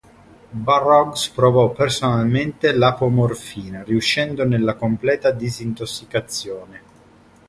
Burroughs provò personalmente l'apomorfina riuscendo nella completa disintossicazione.